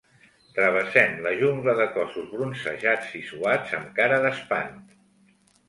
Travessem la jungla de cossos bronzejats i suats amb cara d'espant.